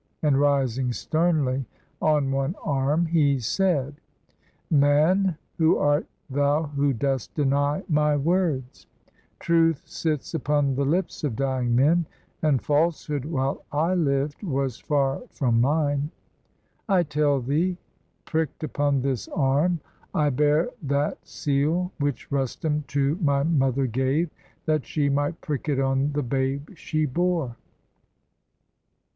And, rising sternly on one arm, he said: — ''Man, who art thou who dost deny my words? Truth sits upon the lips of dying men ; And falsehood, while I hv'd, was far from mine. I tell thee, prick'd upon this arm I bear That seal which Rustum to my mother gave. That she might prick it on the babe she bore."